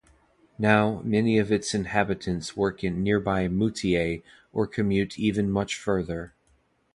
Now, many of its inhabitants work in nearby Moutier or commute even much further.